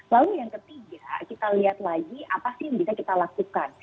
lalu yang ketiga kita lihat lagi apa sih yang bisa kita lakukan